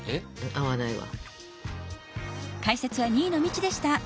合わないわ。